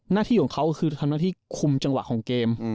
หน้าที่ของเขาก็คือทำหน้าที่คุมจังหวะของเกม